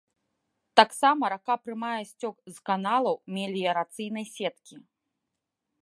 Таксама рака прымае сцёк з каналаў меліярацыйнай сеткі.